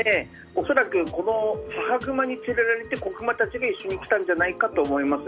恐らく、この母グマに連れられて子グマたちが一緒に来たんじゃないかと思います。